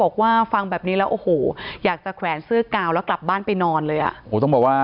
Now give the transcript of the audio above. บอกว่าฟังแบบนี้แล้วอูหู